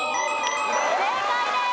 正解です。